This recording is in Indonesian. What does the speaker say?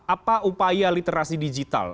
apa upaya literasi digital